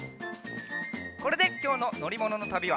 これできょうののりもののたびはおしまい！